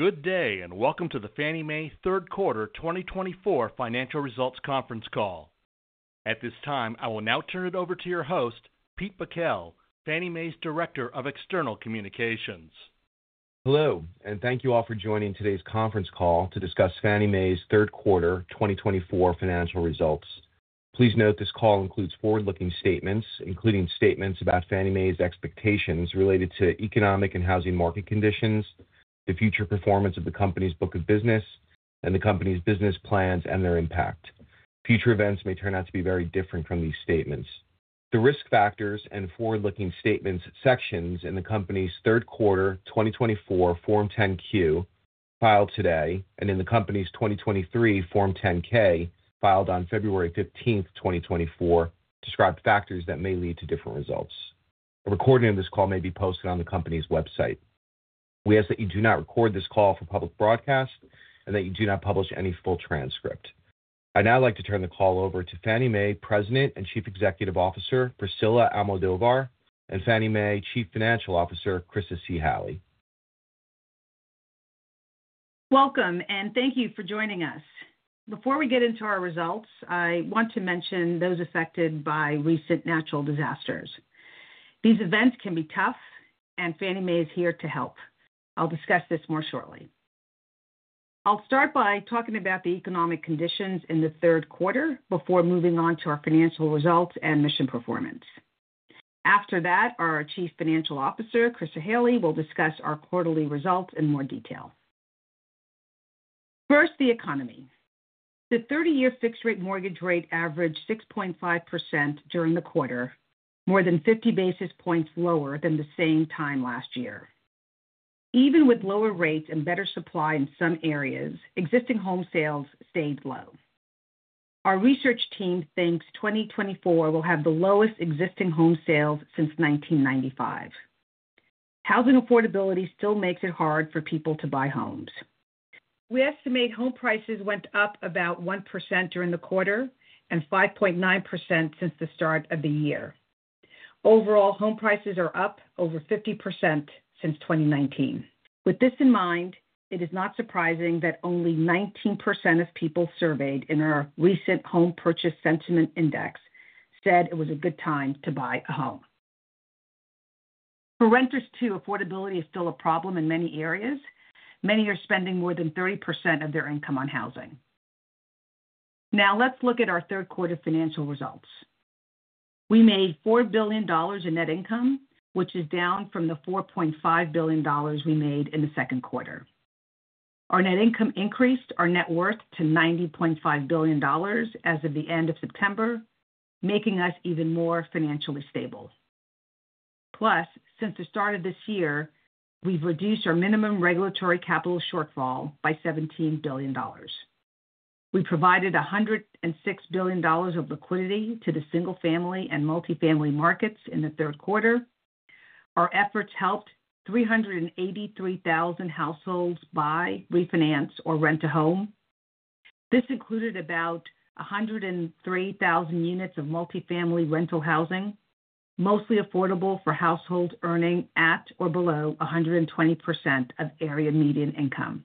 Good day and welcome to the Fannie Mae Third Quarter 2024 Financial Results Conference Call. At this time, I will now turn it over to your host, Pete Bakel, Fannie Mae's Director of External Communications. Hello, and thank you all for joining today's conference call to discuss Fannie Mae's Third Quarter 2024 financial results. Please note this call includes forward-looking statements, including statements about Fannie Mae's expectations related to economic and housing market conditions, the future performance of the company's book of business, and the company's business plans and their impact. Future events may turn out to be very different from these statements. The risk factors and forward-looking statements sections in the company's Third Quarter 2024 Form 10-Q filed today and in the company's 2023 Form 10-K filed on February 15, 2024, describe factors that may lead to different results. A recording of this call may be posted on the company's website. We ask that you do not record this call for public broadcast and that you do not publish any full transcript. I'd now like to turn the call over to Fannie Mae President and Chief Executive Officer Priscilla Almodovar and Fannie Mae Chief Financial Officer Chryssa C. Halley. Welcome, and thank you for joining us. Before we get into our results, I want to mention those affected by recent natural disasters. These events can be tough, and Fannie Mae is here to help. I'll discuss this more shortly. I'll start by talking about the economic conditions in the third quarter before moving on to our financial results and mission performance. After that, our Chief Financial Officer, Chryssa Halley, will discuss our quarterly results in more detail. First, the economy. The 30-year fixed-rate mortgage rate averaged 6.5% during the quarter, more than 50 basis points lower than the same time last year. Even with lower rates and better supply in some areas, existing home sales stayed low. Our research team thinks 2024 will have the lowest existing home sales since 1995. Housing affordability still makes it hard for people to buy homes. We estimate home prices went up about 1% during the quarter and 5.9% since the start of the year. Overall, home prices are up over 50% since 2019. With this in mind, it is not surprising that only 19% of people surveyed in our recent Home Purchase Sentiment Index said it was a good time to buy a home. For renters too, affordability is still a problem in many areas. Many are spending more than 30% of their income on housing. Now, let's look at our third quarter financial results. We made $4 billion in net income, which is down from the $4.5 billion we made in the second quarter. Our net income increased our net worth to $90.5 billion as of the end of September, making us even more financially stable. Plus, since the start of this year, we've reduced our minimum regulatory capital shortfall by $17 billion. We provided $106 billion of liquidity to the single-family and multifamily markets in the third quarter. Our efforts helped 383,000 households buy, refinance, or rent a home. This included about 103,000 units of multifamily rental housing, mostly affordable for households earning at or below 120% of area median income.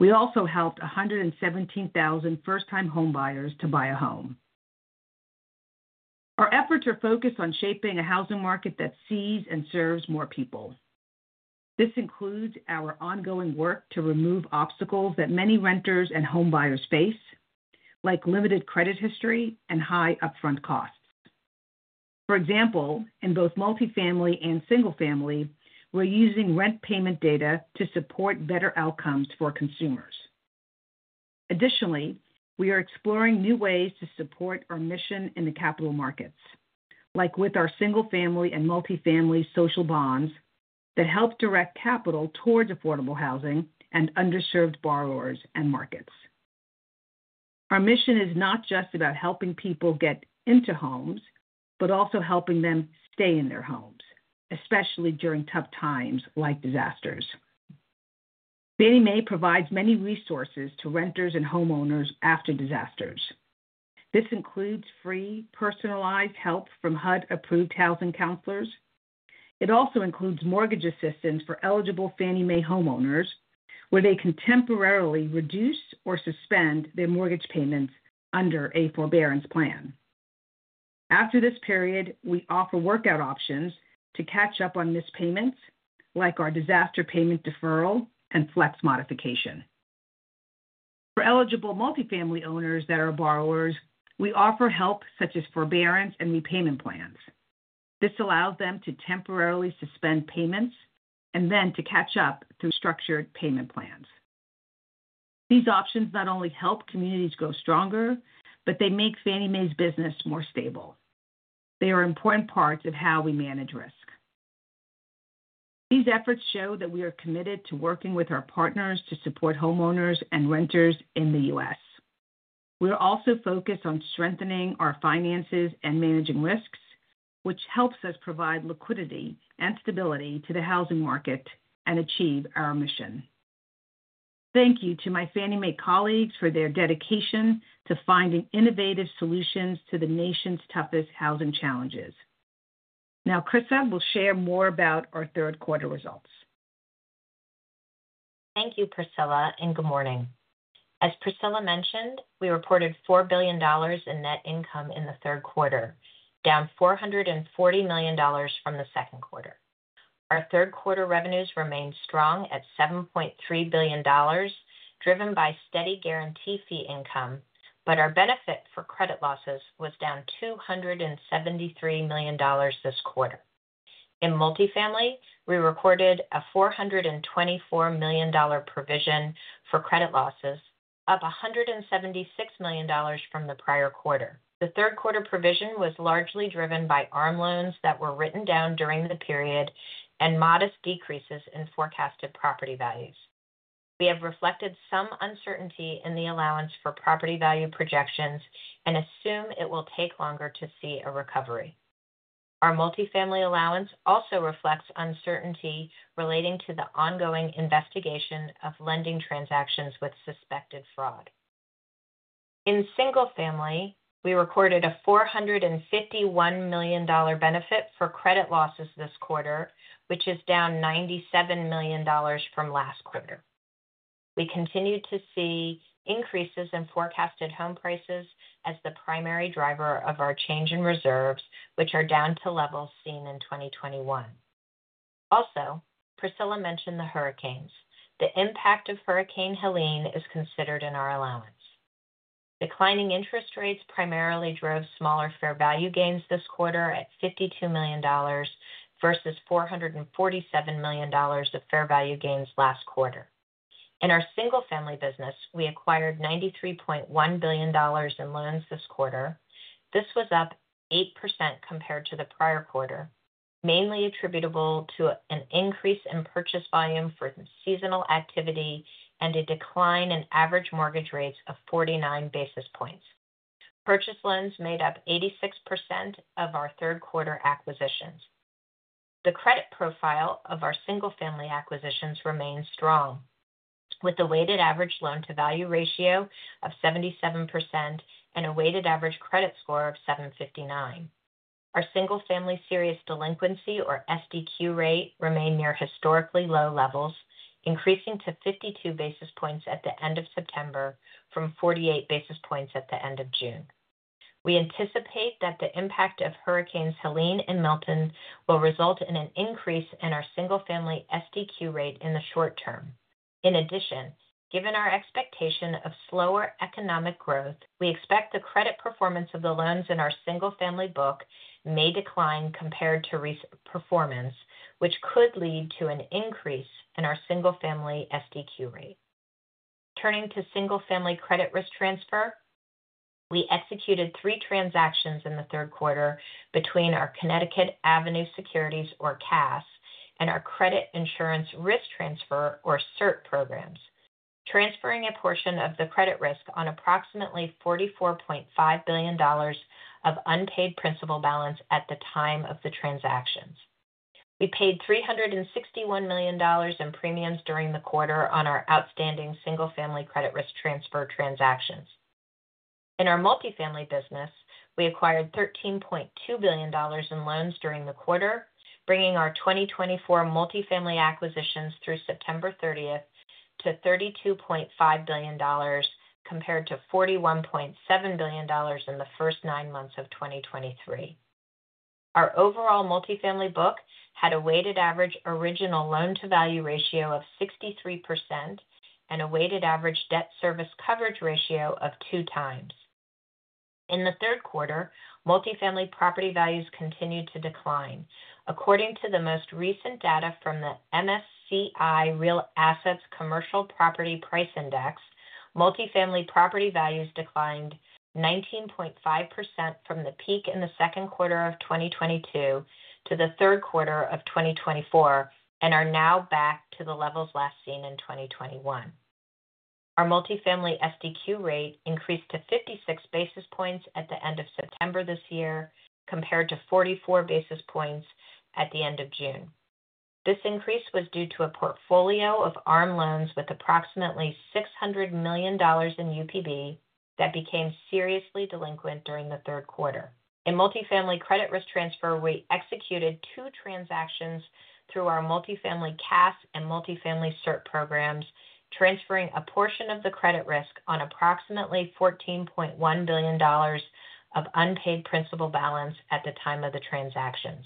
We also helped 117,000 first-time home buyers to buy a home. Our efforts are focused on shaping a housing market that sees and serves more people. This includes our ongoing work to remove obstacles that many renters and home buyers face, like limited credit history and high upfront costs. For example, in both multifamily and single-family, we're using rent payment data to support better outcomes for consumers. Additionally, we are exploring new ways to support our mission in the capital markets, like with our single-family and multifamily Social Bonds that help direct capital towards affordable housing and underserved borrowers and markets. Our mission is not just about helping people get into homes, but also helping them stay in their homes, especially during tough times like disasters. Fannie Mae provides many resources to renters and homeowners after disasters. This includes free personalized help from HUD-approved housing counselors. It also includes mortgage assistance for eligible Fannie Mae homeowners, where they can temporarily reduce or suspend their mortgage payments under a forbearance plan. After this period, we offer workout options to catch up on missed payments, like our disaster payment deferral and flex modification. For eligible multifamily owners that are borrowers, we offer help such as forbearance and repayment plans. This allows them to temporarily suspend payments and then to catch up through structured payment plans. These options not only help communities grow stronger, but they make Fannie Mae's business more stable. They are important parts of how we manage risk. These efforts show that we are committed to working with our partners to support homeowners and renters in the U.S. We are also focused on strengthening our finances and managing risks, which helps us provide liquidity and stability to the housing market and achieve our mission. Thank you to my Fannie Mae colleagues for their dedication to finding innovative solutions to the nation's toughest housing challenges. Now, Chryssa will share more about our third quarter results. Thank you, Priscilla, and good morning. As Priscilla mentioned, we reported $4 billion in net income in the third quarter, down $440 million from the second quarter. Our third quarter revenues remained strong at $7.3 billion, driven by steady guarantee fee income, but our benefit for credit losses was down $273 million this quarter. In multifamily, we recorded a $424 million provision for credit losses, up $176 million from the prior quarter. The third quarter provision was largely driven by ARM loans that were written down during the period and modest decreases in forecasted property values. We have reflected some uncertainty in the allowance for property value projections and assume it will take longer to see a recovery. Our multifamily allowance also reflects uncertainty relating to the ongoing investigation of lending transactions with suspected fraud. In single-family, we recorded a $451 million benefit for credit losses this quarter, which is down $97 million from last quarter. We continued to see increases in forecasted home prices as the primary driver of our change in reserves, which are down to levels seen in 2021. Also, Priscilla mentioned the hurricanes. The impact of Hurricane Helene is considered in our allowance. Declining interest rates primarily drove smaller fair value gains this quarter at $52 million versus $447 million of fair value gains last quarter. In our single-family business, we acquired $93.1 billion in loans this quarter. This was up 8% compared to the prior quarter, mainly attributable to an increase in purchase volume for seasonal activity and a decline in average mortgage rates of 49 basis points. Purchase loans made up 86% of our third quarter acquisitions. The credit profile of our single-family acquisitions remains strong, with a weighted average loan-to-value ratio of 77% and a weighted average credit score of 759. Our single-family serious delinquency, or SDQ, rate remained near historically low levels, increasing to 52 basis points at the end of September from 48 basis points at the end of June. We anticipate that the impact of Hurricanes Helene and Milton will result in an increase in our single-family SDQ rate in the short term. In addition, given our expectation of slower economic growth, we expect the credit performance of the loans in our single-family book may decline compared to recent performance, which could lead to an increase in our single-family SDQ rate. Turning to single-family credit risk transfer, we executed three transactions in the third quarter between our Connecticut Avenue Securities, or CAS, and our Credit Insurance Risk Transfer, or CIRT, programs, transferring a portion of the credit risk on approximately $44.5 billion of unpaid principal balance at the time of the transactions. We paid $361 million in premiums during the quarter on our outstanding single-family credit risk transfer transactions. In our multifamily business, we acquired $13.2 billion in loans during the quarter, bringing our 2024 multifamily acquisitions through September 30 to $32.5 billion compared to $41.7 billion in the first nine months of 2023. Our overall multifamily book had a weighted average original loan-to-value ratio of 63% and a weighted average debt service coverage ratio of two times. In the third quarter, multifamily property values continued to decline. According to the most recent data from the MSCI Real Assets Commercial Property Price Index, multifamily property values declined 19.5% from the peak in the second quarter of 2022 to the third quarter of 2024 and are now back to the levels last seen in 2021. Our multifamily SDQ rate increased to 56 basis points at the end of September this year compared to 44 basis points at the end of June. This increase was due to a portfolio of ARM loans with approximately $600 million in UPB that became seriously delinquent during the third quarter. In multifamily credit risk transfer, we executed two transactions through our multifamily CAS and multifamily CIRT programs, transferring a portion of the credit risk on approximately $14.1 billion of unpaid principal balance at the time of the transactions.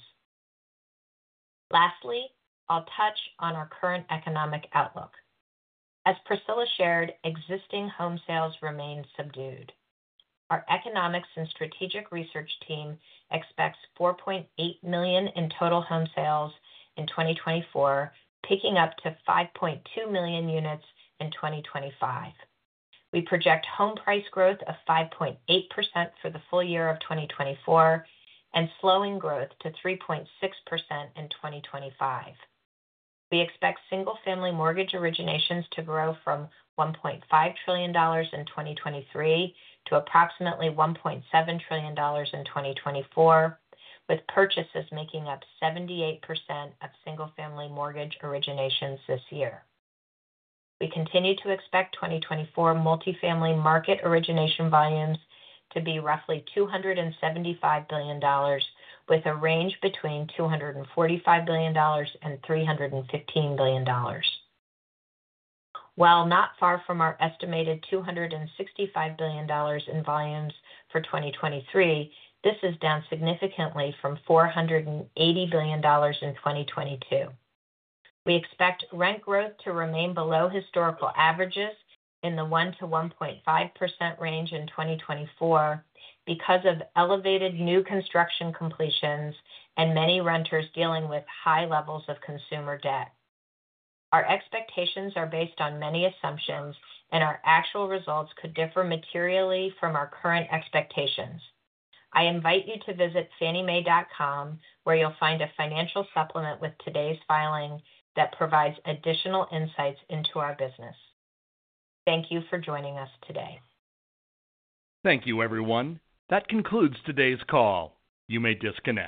Lastly, I'll touch on our current economic outlook. As Priscilla shared, existing home sales remain subdued. Our economics and strategic research team expects 4.8 million in total home sales in 2024, picking up to 5.2 million units in 2025. We project home price growth of 5.8% for the full year of 2024 and slowing growth to 3.6% in 2025. We expect single-family mortgage originations to grow from $1.5 trillion in 2023 to approximately $1.7 trillion in 2024, with purchases making up 78% of single-family mortgage originations this year. We continue to expect 2024 multifamily market origination volumes to be roughly $275 billion, with a range between $245 billion and $315 billion. While not far from our estimated $265 billion in volumes for 2023, this is down significantly from $480 billion in 2022. We expect rent growth to remain below historical averages in the 1%-1.5% range in 2024 because of elevated new construction completions and many renters dealing with high levels of consumer debt. Our expectations are based on many assumptions, and our actual results could differ materially from our current expectations. I invite you to visit fanniemae.com, where you'll find a financial supplement with today's filing that provides additional insights into our business. Thank you for joining us today. Thank you, everyone. That concludes today's call. You may disconnect.